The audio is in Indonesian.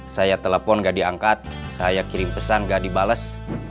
saya telepon gak diangkat saya kirim pesan gak dibalas